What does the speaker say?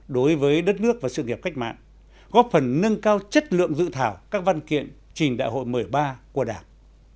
đối với đất nước và sự nghiệp cách mạng góp phần nâng cao chất lượng dự thảo các văn kiện trình đại hội một mươi ba của đảng